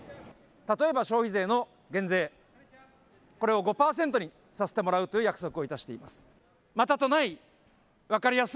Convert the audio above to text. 例えば消費税の減税、これを５％にさせてもらうという約束をいたしています。